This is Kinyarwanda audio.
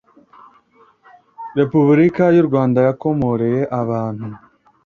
Repubulika y u Rwanda yakomoreye abantu